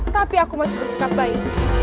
tapi aku masih bersikap baik